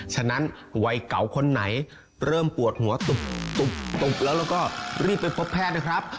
ฉะนั้นวัยเก่าคนไหนเริ่มปวดหัวตุ๊บแล้วแล้วก็รีบไปพบแพทย์นะครับ